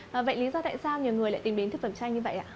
vậy lý do tại sao nhiều người lại tìm đến thực phẩm chay như vậy ạ